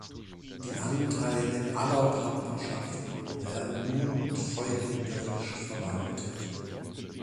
Die Anteile aller Partnerschaften wurden nun treuhänderisch verwaltet.